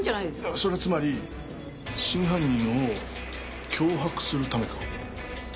そりゃつまり真犯人を脅迫するためか。